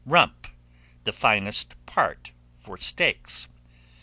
Rump, the finest part for steaks.